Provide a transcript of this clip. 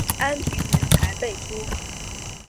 安平人才辈出。